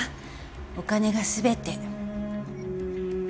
お金が全て。